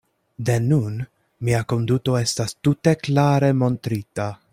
De nun mia konduto estas tute klare montrita.